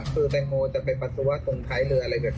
คือแตงโมจะไปปัสสาวะตรงท้ายเรืออะไรเนี่ย